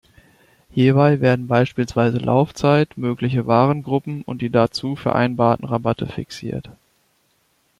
Hierbei werden beispielsweise Laufzeit, mögliche Warengruppen und die dazu vereinbarten Rabatte fixiert.